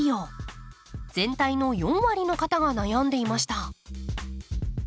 全体の４割の方が悩んでいました。